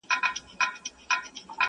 د هیله مندۍ په دې ارزښمنه ډالۍ نازولی وم!.